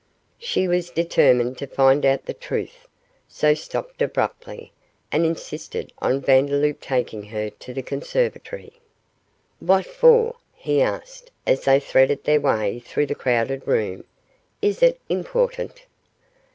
She was determined to find out the truth, so stopped abruptly, and insisted on Vandeloup taking her to the conservatory. 'What for?' he asked, as they threaded their way through the crowded room. 'Is it important?